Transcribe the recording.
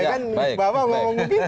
ya kan bapak mau begitu